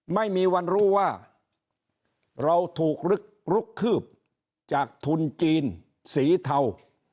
ไม่มีวันรู้ว่าเราถูกลุกคืบจากทุนจีนสีเทา